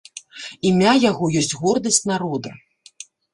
Імя яго ёсць гордасць народа.